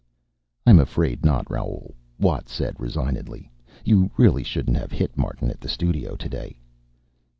"I'm afraid not, Raoul," Watt said resignedly. "You really shouldn't have hit Martin at the studio today."